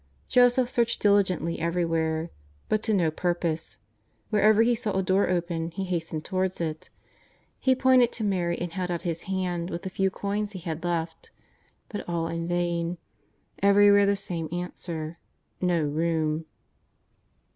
Joseph searched dili gently everywhere, but to no purpose. Wherever he saw a door open he hastened towards it; he pointed to Mary and held out his hand with the few coins he had left. But all in vain; everywhere the same answer: ^' No room."